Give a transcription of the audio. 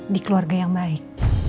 di keluarga yang baik